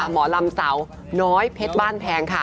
หมอลำเสาน้อยเพชรบ้านแพงค่ะ